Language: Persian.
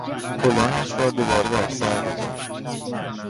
کلاهش را دوباره بر سر گذاشت.